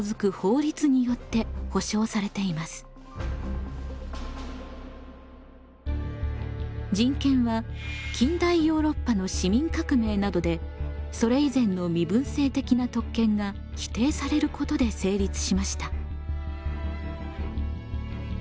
国連の人権は近代ヨーロッパの市民革命などでそれ以前の身分制的な特権が否定されることで成立しました。